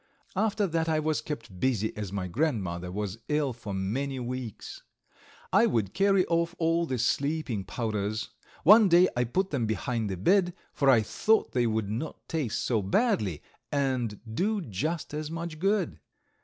After that I was kept busy, as my grandmother was ill for many weeks. I would carry off all the sleeping powders; one day I put them behind the bed, for I thought they would not taste so badly, and do just as much good.